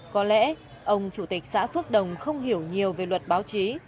có lẽ ông chủ tịch xã phước đồng không hiểu nhiều về luật báo chí